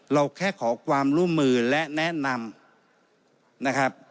เราแค่ขอความรู้มือและแนะนำ